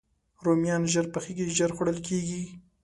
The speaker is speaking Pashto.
رومیان ژر پخېږي، ژر خوړل کېږي